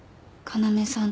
要さん